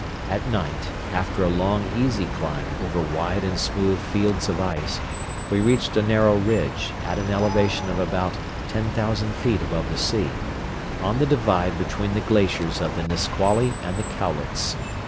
At night, after a long easy climb over wide and smooth fields of ice, we reached a narrow ridge, at an elevation of about ten thousand feet above the sea, on the divide between the glaciers of the Nisqually and the Cowlitz.